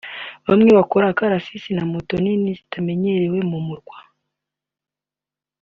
bamwe bakora akarasisi na moto nini zitamenyerewe mu murwa